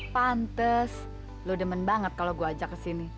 pantes lu demen banget kalo gue ajak kesini